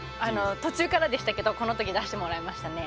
途中からでしたけどこの時出してもらえましたね。